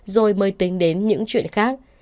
rồi mới tính đến những chuyện khác